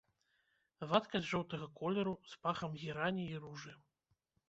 Вадкасць жоўтага колеру з пахам герані і ружы.